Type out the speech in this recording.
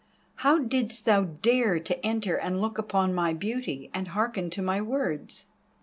How didst thou dare to enter and look upon my beauty and hearken to my words?"